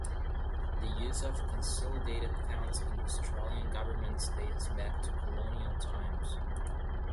The use of consolidated funds in Australian government dates back to colonial times.